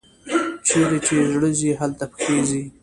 چیري چي زړه ځي، هلته پښې ځي.